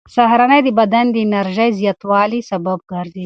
سهارنۍ د بدن د انرژۍ زیاتوالي سبب ګرځي.